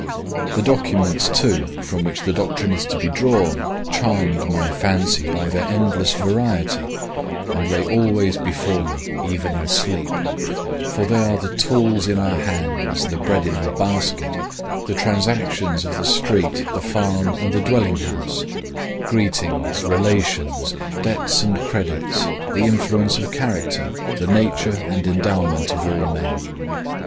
The documents too from which the doctrine is to be drawn, charmed my fancy by their endless variety, and lay always before me, even in sleep; for they are the tools in our hands, the bread in our basket, the transactions of the street, the farm and the dwelling house; greetings, relations, debts and credits, the influence of character, the nature and endowment of all men.